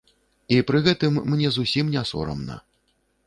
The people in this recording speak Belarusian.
І пры гэтым мне зусім не сорамна.